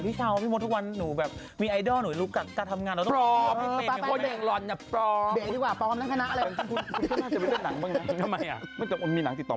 แต่ว่าเรื่องผมหน้าสุดขนกว้ากโกนแอลโหลได้ไง